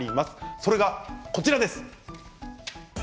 それがこちらです。